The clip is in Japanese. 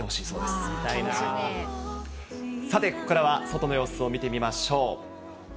それではここからは外の様子を見てみましょう。